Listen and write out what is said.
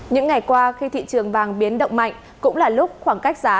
những ngày qua khi thị trường vàng biến động mạnh cũng là lúc khoảng cách giá